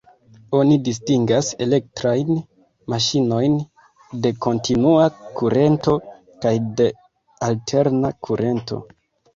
Oni distingas elektrajn maŝinojn de kontinua kurento kaj de alterna kurento.